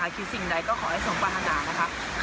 ใครที่เดินทางไปเที่ยวนะคะขอให้เดินทางกลับมาโดยสวัสดีภาพด้วยนะคะ